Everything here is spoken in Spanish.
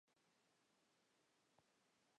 Organista de la catedral de Sion.